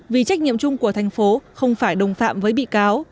vì trách nhiệm chung của thành phố không phải đồng phạm với bị cáo